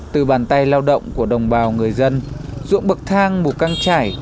từ bàn tay lao động của đồng bào người dân ruộng bậc thang mù căng trải